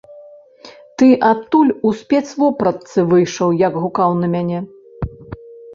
Ты адтуль у спецвопратцы выйшаў, як гукаў на мяне?